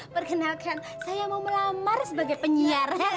perkenalkan saya mau melamar sebagai penyiar